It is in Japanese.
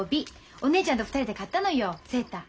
お姉ちゃんと２人で買ったのよセーター。